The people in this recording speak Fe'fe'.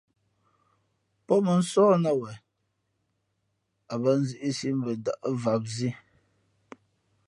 Pó mᾱnsóh nāt wen a bᾱ nzīʼsī mbα ndα̌ʼ vam zǐ.